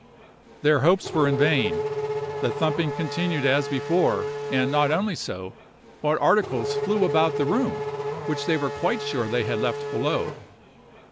Their hopes were vain—the thumping continued as before; and not only so, but articles flew about the room which they were quite sure they had left below.